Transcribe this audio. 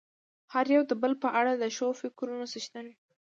هر يو د بل په اړه د ښو فکرونو څښتن وي.